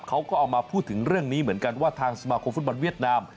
เขาก็เอามาพูดถึงเรื่องนี้เหมือนกันว่าทางสมาคมฟุตบอลเวียดนาม